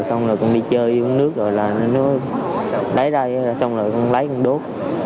xong rồi con đi chơi đi uống nước rồi là nó lấy đây xong rồi con lấy con đốt